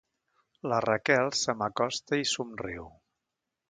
La Raquel se m'acosta i somriu.